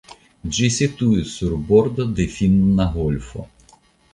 Ĝi situis sur bordo de Finna Golfo.